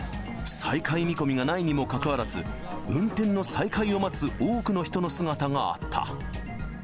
再開見込みがないにもかかわらず、運転の再開を待つ多くの人の姿があった。